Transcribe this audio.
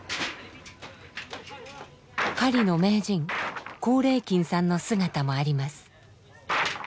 狩りの名人光礼金さんの姿もあります。